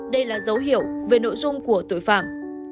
đây là dấu hiệu về nội dung của tội phạm